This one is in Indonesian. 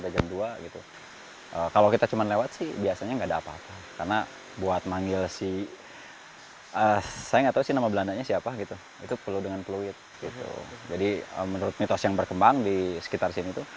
jadi menurut mitos yang berkembang di sekitar sini itu